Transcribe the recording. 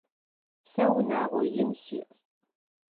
Сэ унагъо ин сиӏ.